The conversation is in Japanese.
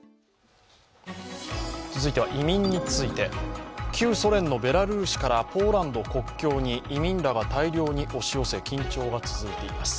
続いては移民について、旧ソ連のベラルーシからポーランド国境に移民らが大量に押し寄せ、緊張が続いています。